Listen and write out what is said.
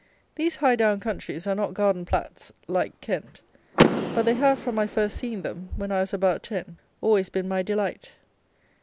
These high down countries are not garden plats, like Kent; but they have, from my first seeing them, when I was about ten, always been my delight.